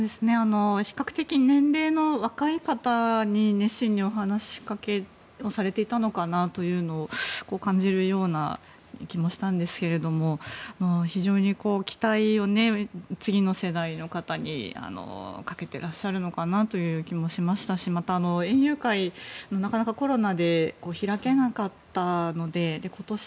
比較的年齢の若い方に熱心にお話しかけをされていたのかなというのを感じるような気もしたんですが非常に期待を次の世代の方にかけてらっしゃるのかなという気もしましたしまた、園遊会、なかなかコロナで開けなかったので今年